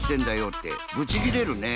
ってブチギレるね。